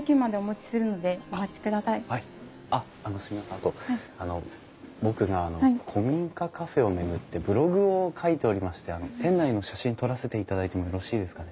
あと僕があの古民家カフェを巡ってブログを書いておりまして店内の写真撮らせていただいてもよろしいですかね？